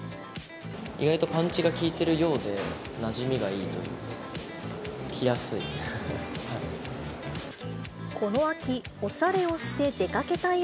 意外とパンチが効いてるようで、なじみがいいというか、着やすい。